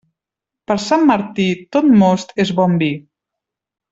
Per Sant Martí, ton most és bon vi.